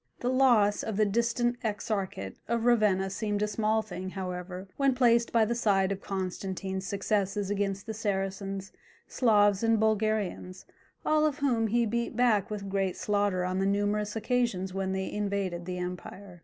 The loss of the distant exarchate of Ravenna seemed a small thing, however, when placed by the side of Constantine's successes against the Saracens, Slavs, and Bulgarians, all of whom he beat back with great slaughter on the numerous occasions when they invaded the empire.